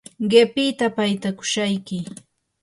qipita paytakushayki.